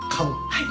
はい。